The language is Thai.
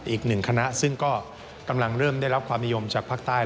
อีกหนึ่งคณะซึ่งก็กำลังเริ่มได้รับความนิยมจากภาคใต้